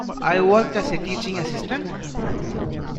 I work as a teaching assistant.